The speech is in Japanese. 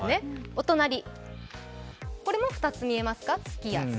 お隣、これも２つ見えますか。